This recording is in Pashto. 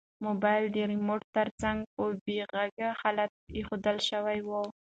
موبایل د ریموټ تر څنګ په بې غږه حالت کې ایښودل شوی دی.